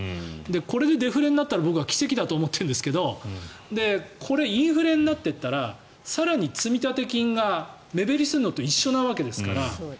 これでデフレになったら僕は奇跡だと思ってるんですがこれ、インフレになっていったら更に積立金が目減りするのと一緒なわけですから。